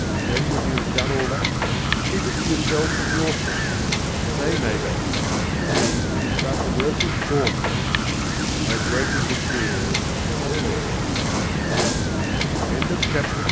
Then when you have done all that keep it for yourself and your friends. They may value it. To me it is but a worthless bauble." I broke into tears and left.